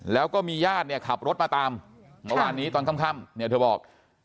แล้วก็มีญาติเนี่ยขับรถมาตามเมื่อวานนี้ตอนค่ำเนี่ยเธอบอก